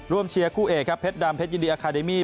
เชียร์คู่เอกครับเพชรดำเพชรยินดีอาคาเดมี่